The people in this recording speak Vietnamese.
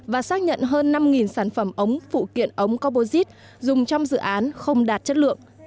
và xác nhận hơn năm sản phẩm ống phụ kiện ống composite dùng trong dự án không đạt chất lượng